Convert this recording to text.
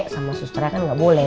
sama susternya kan gak boleh